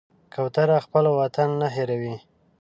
کوتره خپل وطن نه هېروي.